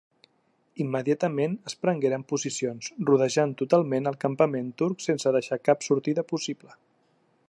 Immediatament es prengueren posicions, rodejant totalment el campament turc sense deixar cap sortida possible.